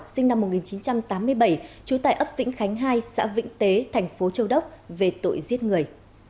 sinh năm một nghìn chín trăm tám mươi bảy trú tại ấp vĩnh khánh hai xã vĩnh tế thành phố châu đốc về tội giết người